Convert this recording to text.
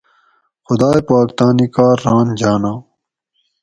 خُدائ پاک تانی کار ران جاناں